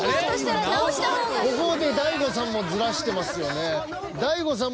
［ここで大悟さんもズラしてますよね］